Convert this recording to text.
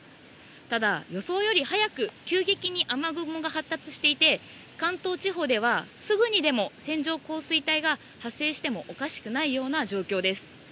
ただ、予想より早く急激に雨雲が発達していて、関東地方ではすぐにでも線状降水帯が発生してもおかしくないような状況です。